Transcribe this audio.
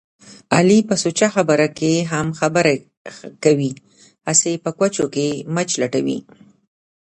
علي په سوچه خبره کې هم خبره کوي. هسې په کوچو کې مچ لټوي.